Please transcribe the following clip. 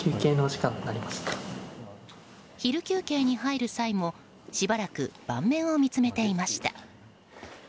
昼休憩に入る際もしばらく盤面を見つめていました。